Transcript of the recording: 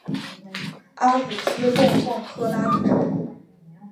阿古斯供奉赫拉女神。